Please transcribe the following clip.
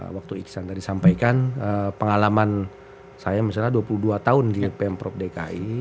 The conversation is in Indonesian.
waktu iksan tadi sampaikan pengalaman saya misalnya dua puluh dua tahun di pemprov dki